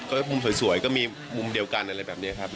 ก็มุมสวยก็มีมุมเดียวกันอะไรแบบนี้ครับ